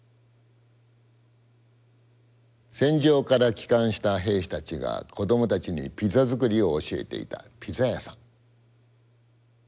戦場から帰還した兵士たちが子どもたちにピザ作りを教えていたピザ屋さん。